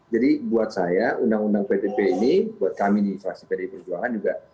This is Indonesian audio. jadi buat saya undang undang pdp ini buat kami di inflasi pdp penjualan juga